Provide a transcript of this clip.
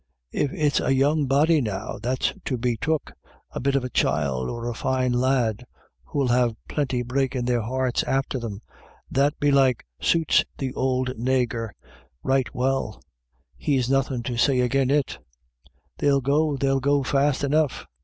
If it's a young body, now, that's to be took, a bit of a child, or a fine lad, who'll lave plinty breakin' their hearts after them, that belike suits the ould naygur right well, he's nothin' to say agin it ; they'll go — they'll go fast enough.